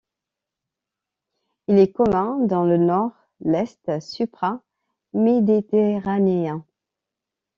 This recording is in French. Il est commun dans le nord, l'est, supra-méditerranéen.